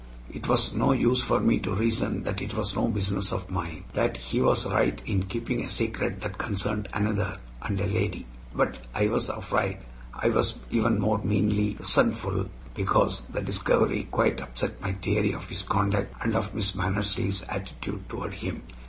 It was no use for me to reason that it was no business of mine, that he was right in keeping a secret that concerned another and a lady; but I was afraid I was even more meanly resentful because the discovery quite upset my theory of his conduct and of Miss Mannersley's attitude toward him.